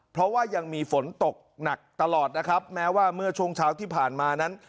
เพราะว่ายังมีฝนตกหนักตลอดนะครับแม้ว่าเมื่อช่วงเช้าที่ผ่านมานั้น